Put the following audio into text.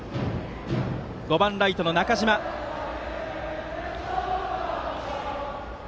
５番ライトの中島が打席。